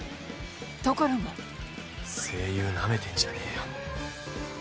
ところが声優なめてんじゃねえよ